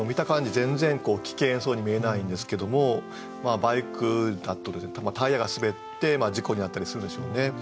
全然危険そうに見えないんですけどもバイクだとタイヤが滑って事故に遭ったりするんでしょうね。